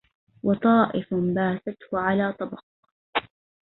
وطائف باسته على طبق